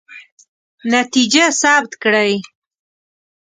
نتیجه ثبت کړئ.